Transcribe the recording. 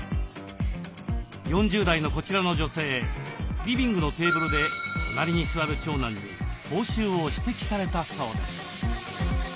４０代のこちらの女性リビングのテーブルで隣に座る長男に口臭を指摘されたそうです。